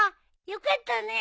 よかったね。